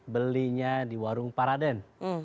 belinya di warung paraden